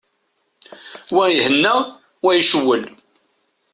Wa ihenna, wa icewwel.